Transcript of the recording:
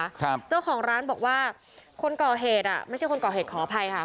ครับเจ้าของร้านบอกว่าคนก่อเหตุอ่ะไม่ใช่คนก่อเหตุขออภัยค่ะ